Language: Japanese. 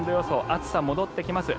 暑さが戻ってきます。